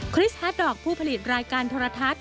คริสฮาร์ดดอกผู้ผลิตรายการโทรทัศน์